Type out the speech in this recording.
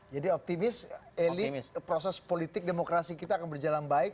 jadi optimis elit proses politik demokrasi kita akan berjalan baik